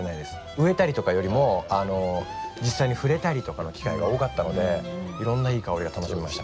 植えたりとかよりも実際に触れたりとかの機会が多かったのでいろんないい香りが楽しめました。